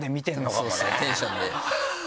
たぶんそうですねテンションで。